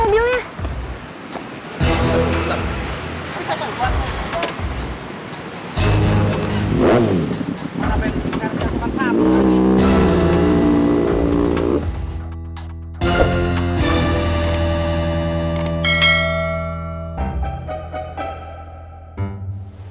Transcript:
urus dulu pak itu mobilnya